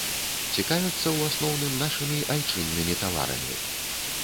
Цікавяцца ў асноўным нашымі айчыннымі таварамі.